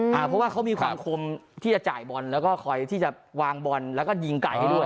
เพราะว่าเขามีความคมที่จะจ่ายบอลแล้วก็คอยที่จะวางบอลแล้วก็ยิงไก่ให้ด้วย